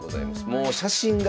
もう写真が。